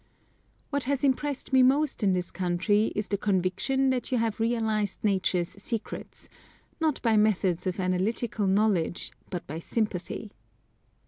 What has impressed me most in this country is the conviction that you have realised nature's secrets, not by methods of analytical knowledge, but by sympathy.